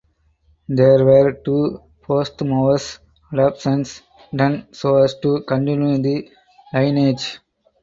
There were two posthumous adoptions done so as to continue the lineage.